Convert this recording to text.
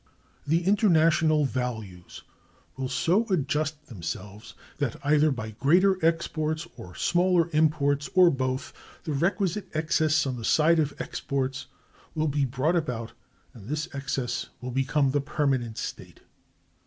The international values will so adjust themselves that, either by greater exports or smaller imports, or both, the requisite excess on the side of exports will be brought about, and this excess will become the permanent state.